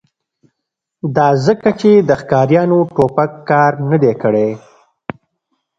دا ځکه چې د ښکاریانو ټوپک کار نه دی کړی